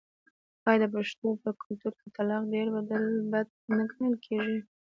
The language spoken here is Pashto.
آیا د پښتنو په کلتور کې طلاق ډیر بد نه ګڼل کیږي؟